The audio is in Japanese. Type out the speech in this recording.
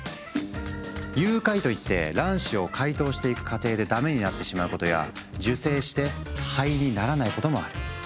融解といって卵子を解凍していく過程でダメになってしまうことや受精して胚にならないこともある。